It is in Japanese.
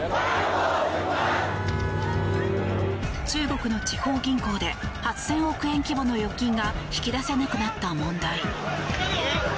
中国の地方銀行で８０００億円規模の預金が引き出せなくなった問題。